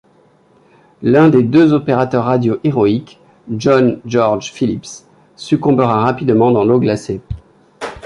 L'un des deux opérateurs radios héroïques, John George Phillips succombera rapidement dans l'eau glacée.